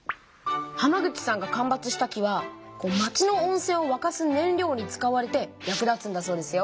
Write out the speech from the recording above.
浜口さんが間伐した木は町の温せんをわかすねん料に使われて役立つんだそうですよ。